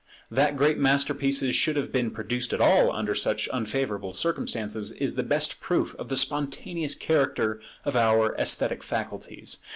That great masterpieces should have been produced at all under such unfavourable circumstances is the best proof of the spontaneous character of our esthetic faculties.